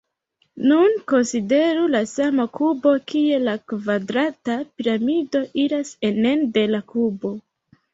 Nun konsideru la sama kubo kie la kvadrata piramido iras enen de la kubo.